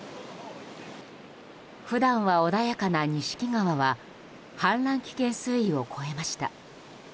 普段は穏やかな錦川は氾濫危険水位を超えました。